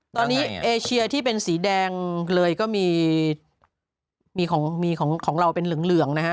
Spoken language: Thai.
ตอนนี้เอเชียที่เป็นสีแดงเลยก็มีของเราเป็นเหลืองนะฮะ